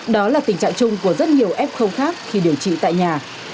đó là tình trạng chung của rất nhiều f khi điều trị tại nhà